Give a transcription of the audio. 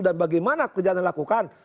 dan bagaimana kerjaan yang dilakukan